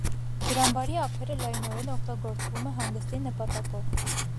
Ջրամբարի ափերը լայնորեն օգտագործվում է հանգստի նպատակով։